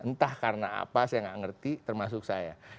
entah karena apa saya nggak ngerti termasuk saya